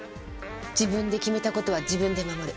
自分で決めた事は自分で守る。